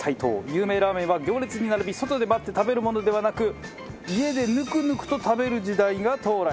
有名ラーメンは行列に並び外で待って食べるものではなく家でぬくぬくと食べる時代が到来。